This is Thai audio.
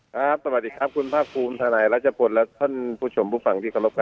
สวัสดีครับคุณภาคภูมิทนายรัชพลและท่านผู้ชมผู้ฟังที่เคารพกัน